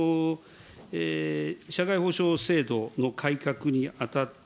社会保障制度の改革にあたって、